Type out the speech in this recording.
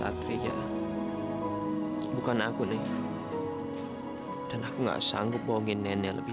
hai tapi anjur nenek itu sebenarnya satria bukan aku nih dan aku nggak sanggup bohongin nenek lebih